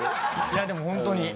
いやでも本当に。